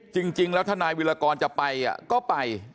จริงแล้วทนายวิรากรจะไปก็ไป